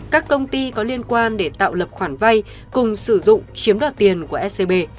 các công ty có liên quan để tạo lập khoản vay cùng sử dụng chiếm đoạt tiền của scb